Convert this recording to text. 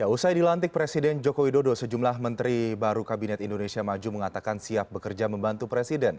usai dilantik presiden joko widodo sejumlah menteri baru kabinet indonesia maju mengatakan siap bekerja membantu presiden